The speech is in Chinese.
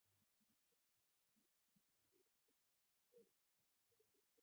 海宁是良渚文化发源地之一。